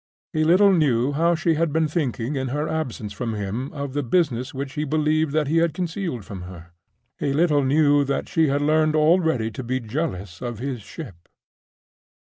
He little knew how she had been thinking in her absence from him of the business which he believed that he had concealed from her. He little knew that she had learned already to be jealous of his ship.